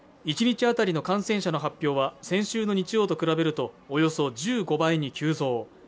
一日当たりの感染者の発表は先週の日曜と比べるとおよそ１５倍に急増。